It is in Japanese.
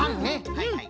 はいはい。